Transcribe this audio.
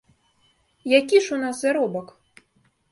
Які ж у нас заробак?